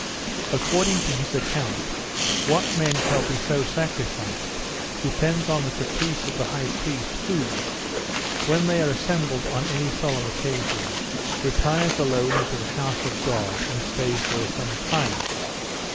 According to his account, what men shall be so sacrificed, depends on the caprice of the high priest, who, when they are assembled on any solemn occasion, retires alone into the house of God, and stays there some time.